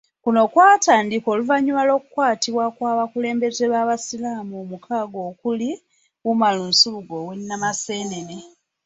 Kuno kwatandika oluvanyuma lw'okukwatibwa kw'abakulembeze babasiraamu omukaaga okuli, Umaru Nsubuga ow'e Namaseenene.